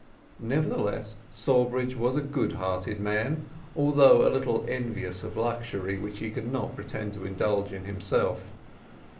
Nevertheless, Sawbridge was a good hearted man, although a little envious of luxury, which he could not pretend to indulge in himself.